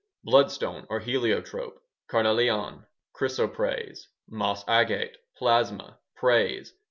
Bloodstone or heliotrope. Carnelian. Chrysoprase. Moss agate. Plasma. _Prase.